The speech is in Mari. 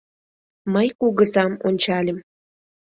Мый кугызам ончальым.